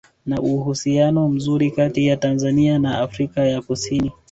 Na uhusiano mzuri kati ya Tanzania na Afrika ya kusini